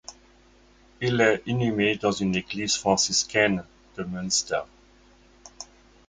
Il est inhumé dans une église franciscaine de Münster.